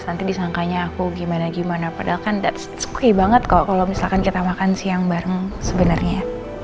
nanti disangkanya aku gimana gimana padahal kan that's okay banget kok kalau misalkan kita makan siang bareng sebenarnya